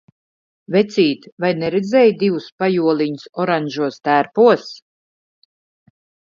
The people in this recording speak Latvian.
Vecīt, vai neredzēji divus pajoliņus oranžos tērpos?